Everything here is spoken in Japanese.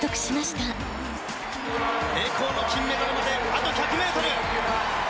栄光の金メダルまであと１００ｍ。